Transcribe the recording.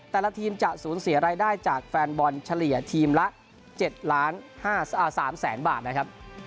แต่ละทีมจะสูญเสียรายได้จากแฟนบอลเฉลี่ยทีมละ๗๓แสนบาทนะครับ